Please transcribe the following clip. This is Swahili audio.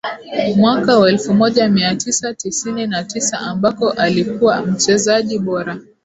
Mwaka wa elfu moja mia tisa tisini na tisa ambako alikuwa mchezaji bora